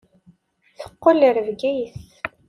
Teqqel ɣer Bgayet.